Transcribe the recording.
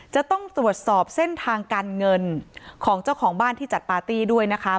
จะต้องตรวจสอบเส้นทางการเงินของเจ้าของบ้านที่จัดปาร์ตี้ด้วยนะคะ